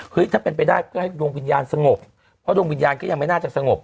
ถ้าเป็นไปได้เพื่อให้ดวงวิญญาณสงบเพราะดวงวิญญาณก็ยังไม่น่าจะสงบ